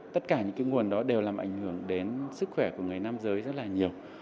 tất cả những cái nguồn đó đều làm ảnh hưởng đến sức khỏe của người nam giới rất là nhiều